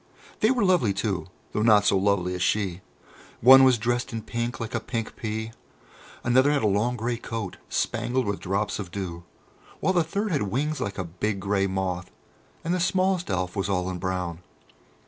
They were lovely too, though not so lovely as she. One was dressed in pink, like a pink pea; another had a long grey coat, spangled with drops of dew, while the third had wings like a big grey moth, and the smallest Elf was all in brown.